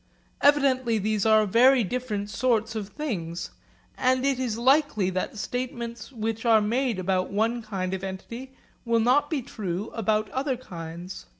Evidently these are very different sorts of things; and it is likely that statements which are made about one kind of entity will not be true about other kinds.